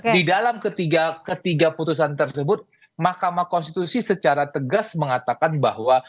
di dalam ketiga putusan tersebut mahkamah konstitusi secara tegas mengatakan bahwa